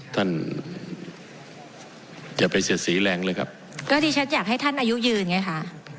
ท่านอย่าไปเสียดสีแรงเลยครับก็ดิฉันอยากให้ท่านอายุยืนไงค่ะ